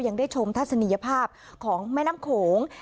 ยังได้ชมทัศนียภาพของแม่น้ำโขง